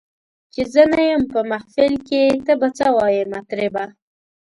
چي زه نه یم په محفل کي ته به څه وایې مطربه